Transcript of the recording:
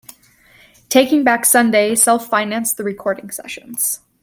Taking Back Sunday self-financed the recording sessions.